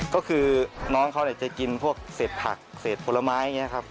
ก็คือน้องเขาจะกินพวกเศษผักเศษผลไม้อย่างนี้ครับ